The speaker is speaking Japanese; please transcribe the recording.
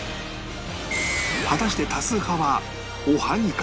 果たして多数派はおはぎか？